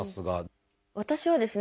私はですね